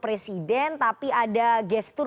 presiden tapi ada gestur